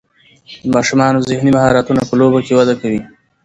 د ماشومانو ذهني مهارتونه په لوبو کې وده کوي.